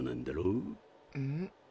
うん？